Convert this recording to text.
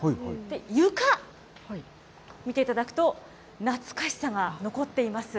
床、見ていただくと、懐かしさが残っています。